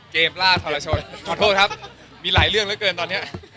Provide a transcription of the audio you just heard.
ล่าทรชนขอโทษครับมีหลายเรื่องเหลือเกินตอนนี้